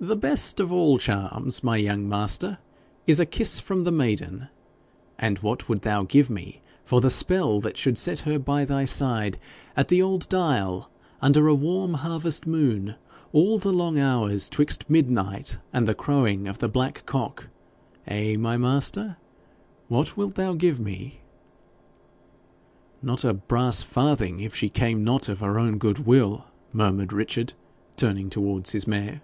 'The best of all charms, my young master, is a kiss from the maiden; and what would thou give me for the spell that should set her by thy side at the old dial, under a warm harvest moon, all the long hours 'twixt midnight and the crowing of the black cock eh, my master? What wilt thou give me?' 'Not a brass farthing, if she came not of her own good will,' murmured Richard, turning towards his mare.